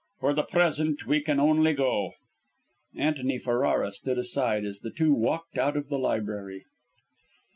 For the present we can only go." Antony Ferrara stood aside, as the two walked out of the library.